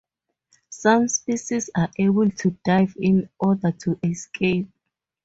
Some species are able to dive in order to escape.